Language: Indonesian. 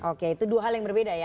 oke itu dua hal yang berbeda ya